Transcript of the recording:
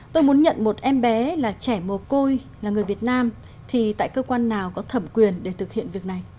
tôi muốn nhận một em bé là trẻ mồ côi là người việt nam thì tại cơ quan nào có thẩm quyền để thực hiện việc này